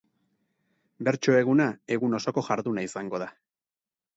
Bertso eguna egun osoko jarduna izango da.